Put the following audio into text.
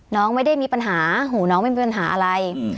น้องไม่ได้มีปัญหาหูน้องไม่มีปัญหาอะไร